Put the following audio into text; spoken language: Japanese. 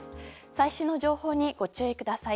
最新の情報にご注意ください。